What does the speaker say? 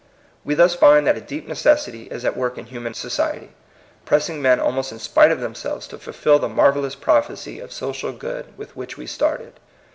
We thus find that a deep necessity is at work in human society, pressing men almost in spite of themselves to fulfil the marvel lous prophecy of social good with which we started.